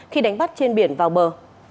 khi đánh bắt trên biển vào bờ